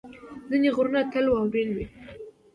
ځینې غرونه تل واورین وي.